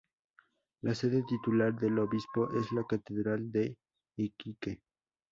La sede titular del obispo es la catedral de Iquique.